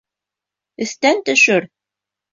Өҫтән төшөр!